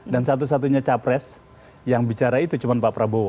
dan satu satunya capres yang bicara itu cuma pak prabowo